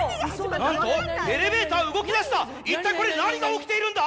なんとエレベーター動きだした一体これ何が起きているんだ